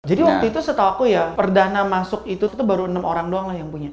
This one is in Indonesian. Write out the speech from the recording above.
jadi waktu itu setelah aku ya perdana masuk itu tuh baru enam orang doang lah yang punya